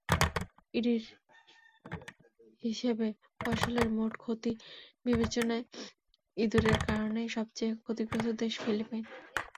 ইরির হিসাবে, ফসলের মোট ক্ষতির বিবেচনায় ইঁদুরের কারণে সবচেয়ে ক্ষতিগ্রস্ত দেশ ফিলিপাইন।